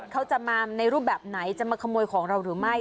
เขาจะมาในรูปแบบไหนจะมาขโมยของเราหรือไม่